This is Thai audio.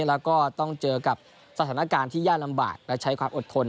แล้วก็ต้องเจอกับสถานการณ์ที่ยากลำบากและใช้ความอดทน